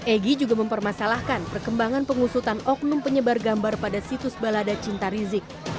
egy juga mempermasalahkan perkembangan pengusutan oknum penyebar gambar pada situs balada cinta rizik